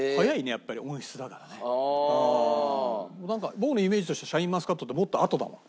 僕のイメージとしてはシャインマスカットってもっとあとだもん。